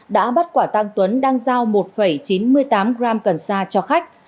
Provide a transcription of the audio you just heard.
đã bắt quả tăng tuấn đang giao một chín mươi tám gram cần sa cho khách